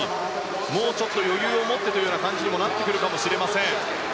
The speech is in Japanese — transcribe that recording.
もうちょっと余裕を持ってという感じにもなってくるかもしれません。